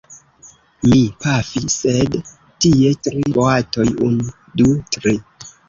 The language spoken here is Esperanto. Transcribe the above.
Mi pafi, sed tie tri boatoj, unu, du, tri!